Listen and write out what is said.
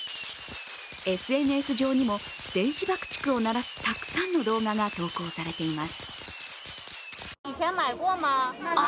ＳＮＳ上にも、電子爆竹を鳴らすたくさんの動画が投稿されています。